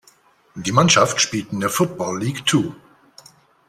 Die Mannschaft spielt in der Football League Two.